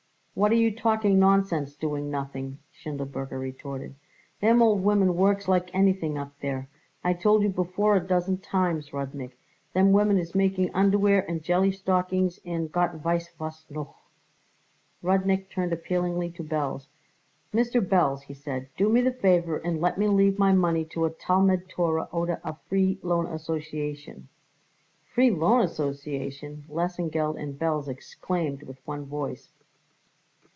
"What are you talking nonsense doing nothing!" Schindelberger retorted. "Them old women works like anything up there. I told you before a dozen times, Rudnik, them women is making underwear and jelly and stockings and Gott weiss was noch." Rudnik turned appealingly to Belz. "Mr. Belz," he said, "do me the favour and let me leave my money to a Talmud Torah oder a Free Loan Association." "Free Loan Association!" Lesengeld and Belz exclaimed with one voice.